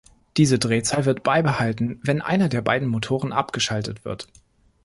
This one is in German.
Diese Drehzahl wird beibehalten, wenn einer der beiden Motoren abgeschaltet wird.